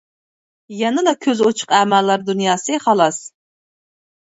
يەنىلا كۆزى ئوچۇق ئەمالار دۇنياسى خالاس.